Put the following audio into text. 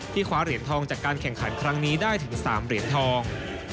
คว้าเหรียญทองจากการแข่งขันครั้งนี้ได้ถึง๓เหรียญทอง